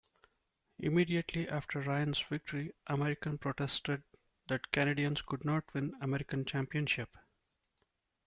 Immediately after Ryan's victory, Americans protested that Canadians could not win an American championship.